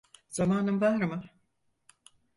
Zamanın var mı?